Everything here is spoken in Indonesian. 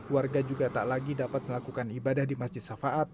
warga juga tak lagi dapat melakukan ibadah di masjid safaat